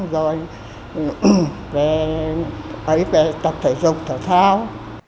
rồi về tập thể dục thể thao